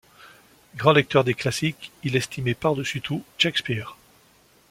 Grand lecteur des classiques, il estimait par-dessus tout Shakespeare.